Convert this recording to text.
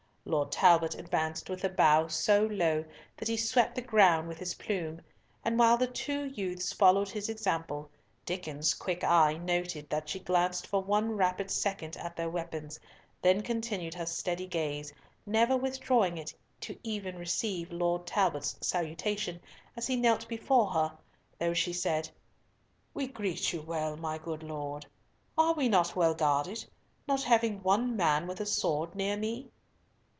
Lord Talbot advanced with a bow so low that he swept the ground with his plume, and while the two youths followed his example, Diccon's quick eye noted that she glanced for one rapid second at their weapons, then continued her steady gaze, never withdrawing it even to receive Lord Talbot's salutation as he knelt before her, though she said, "We greet you well, my good lord. Are not we well guarded, not having one man with a sword near me?"